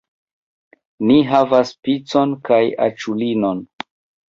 Ni havas picon kaj aĉulinon